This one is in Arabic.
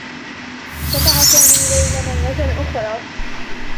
صفع سامي ليلى مرّة أخرى.